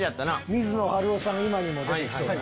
水野晴郎さんが今にも出て来そう。